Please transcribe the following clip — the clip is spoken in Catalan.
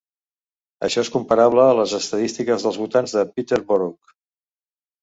Això és comparable a les estadístiques dels voltants de Peterborough.